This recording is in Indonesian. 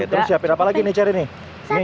oke terus siapin apa lagi nih charlene nih